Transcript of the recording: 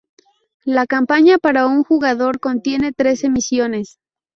La campaña para un jugador contiene trece misiones.